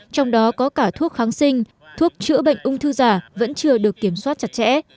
trong đó có cả thuốc kháng sinh thuốc chữa bệnh ung thư giả vẫn chưa được kiểm soát chặt chẽ